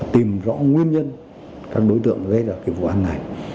tìm rõ nguyên nhân các đối tượng gây ra cái vụ án này